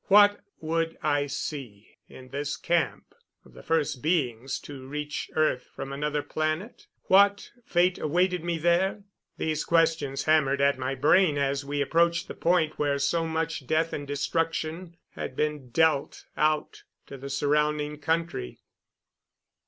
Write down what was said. What would I see in this camp of the first beings to reach earth from another planet? What fate awaited me there? These questions hammered at my brain as we approached the point where so much death and destruction had been dealt out to the surrounding country.